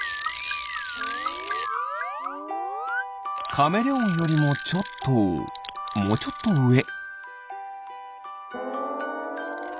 カメレオンよりもちょっともうちょっとうえ。